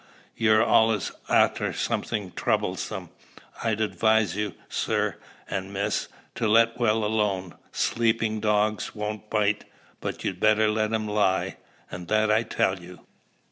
ha! You're allus arter somethin' troublesome. I'd adwise you, sir and miss, to let well alone. Sleepin' dogs won't bite; but you'd better let 'em lie and that I tell you."